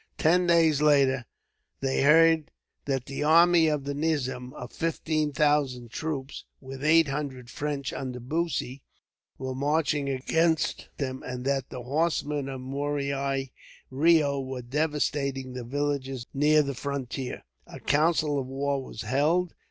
Ten days later, they heard that the army of the nizam, of fifteen thousand troops, with eight hundred French under Bussy, were marching against them; and that the horsemen of Murari Reo were devastating the villages near the frontier. A council of war was held.